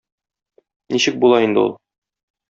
Ничек була инде ул?